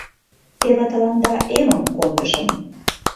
Теве тыланда эмым кондышым.